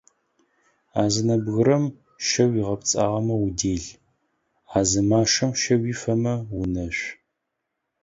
А зы нэбгырэм щэ уигъапцӏэмэ удэл, а зы машэм щэ уифэмэ унэшъу.